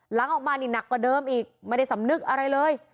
หลังออกมานี่หนักกว่าเดิมอีกไม่ได้สำนึกอะไรเลย